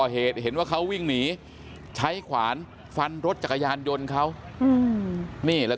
เหตุเห็นว่าเขาวิ่งหนีใช้ขวานฟันรถจักรยานยนต์เขานี่แล้วก็